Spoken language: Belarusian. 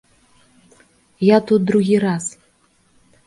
Я тут другі раз.